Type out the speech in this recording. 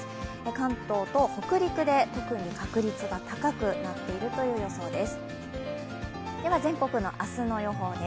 関東と北陸で特に確率が高くなっているという予想です。